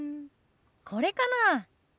これかな。